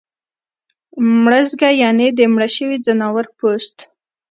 مړزګه یعنی د مړه شوي ځناور پوست